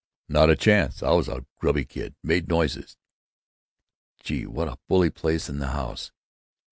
"Not a chance. I was a grubby kid. Made noises.... Gee! what a bully place. And the house!...